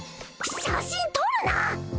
写真撮るな！